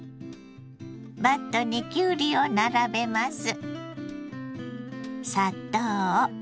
バットにきゅうりを並べます。